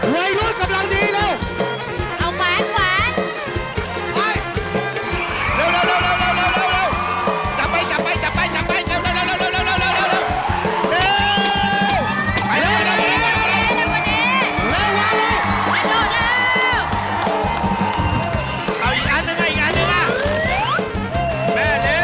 เวลาเดินอยู่นะครับ